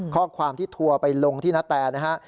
ข้อความที่ทัวร์ไปลงที่นาแตนะฮะ